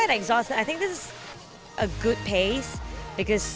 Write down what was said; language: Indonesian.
sangat menyenangkan saya pikir ini adalah papan yang bagus